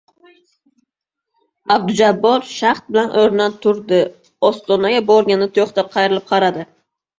— Abdujabbor shaxd bilan o‘rnidan turdi, ostonaga borganda to‘xtab qayrilib qaradi.